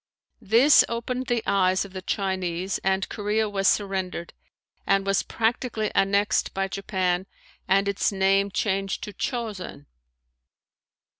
This opened the eyes of the Chinese and Korea was surrendered and was practically annexed by Japan and its name changed to Chosen.